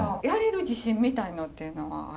やれる自信みたいのっていうのは？